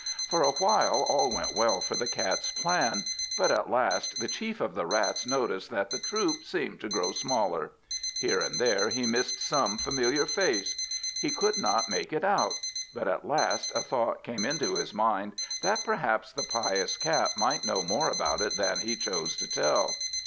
For a while all went well for the Cat's plan; but at last the Chief of the Rats noticed that the troop seemed to grow smaller. Here and there he missed some familiar face. He could not make it out; but at last a thought came into his mind, that perhaps the pious Cat might know more about it than he chose to tell.